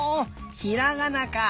ひらがなか！